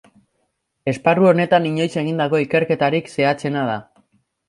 Esparru honetan inoiz egindako ikerketarik zehatzena da.